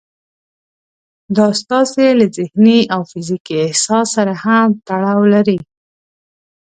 دا ستاسې له ذهني او فزيکي احساس سره هم تړاو لري.